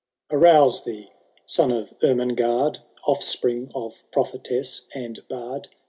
V. Arouse thee, son of Ermengarde, Offspring of prophetess and bard